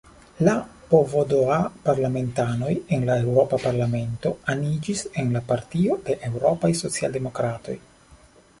La PvdA-parlamentanoj en la Eŭropa Parlamento aniĝis en la Partio de Eŭropaj Socialdemokratoj.